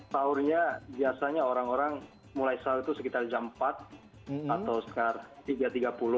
sahurnya biasanya orang orang mulai sahur itu sekitar jam empat atau sekitar tiga tiga puluh